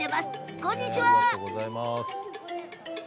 こんにちは。